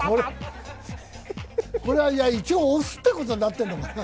これは一応、雄ってことになってるのかな。